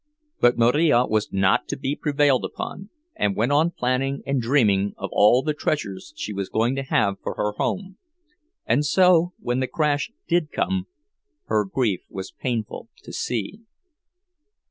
But Marija was not to be prevailed upon, and went on planning and dreaming of all the treasures she was going to have for her home; and so, when the crash did come, her grief was painful to see.